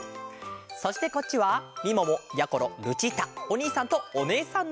そしてこっちはみももやころルチータおにいさんとおねえさんのえ！